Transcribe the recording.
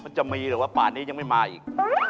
มันจะมีหรือว่าป่านนี้ยังไม่มาอีก